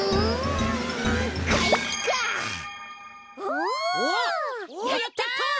おおやった！